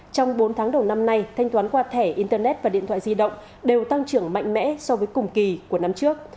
trong bốn tháng đầu năm nay thanh toán qua thẻ internet và điện thoại di động đều tăng trưởng mạnh mẽ so với cùng kỳ của năm trước